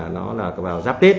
nó là vào giáp tết